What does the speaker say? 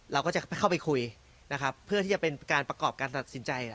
เราก็จะเข้าไปคุยนะครับเพื่อที่จะเป็นการประกอบการตัดสินใจ